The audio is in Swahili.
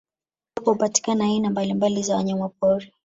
Ambako hupatikana aina mbalimbali za wanyamapori